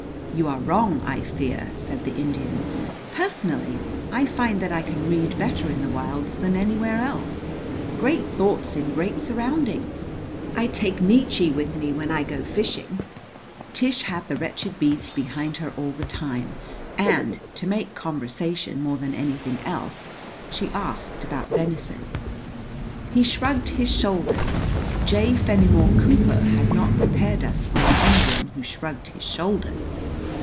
"You are wrong, I fear," said the Indian. "Personally I find that I can read better in the wilds than anywhere else. Great thoughts in great surroundings! I take Nietzsche with me when I go fishing." Tish had the wretched beads behind her all the time; and, to make conversation, more than anything else, she asked about venison. He shrugged his shoulders. J. Fenimore Cooper had not prepared us for an Indian who shrugged his shoulders.